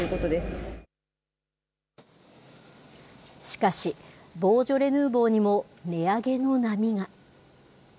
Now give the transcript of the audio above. しかし、ボージョレ・ヌーボーにも値上げの波が。